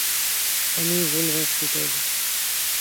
আমিই, ভুল ভাবছি তাইলে।